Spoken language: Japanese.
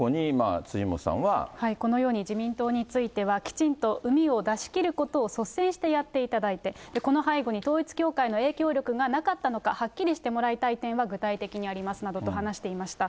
このように自民党については、きちんとうみを出し切ることを率先してやっていただいて、この背後に統一教会の影響力がなかったのか、はっきりしてもらいたい点は具体的にありますなどと話していました。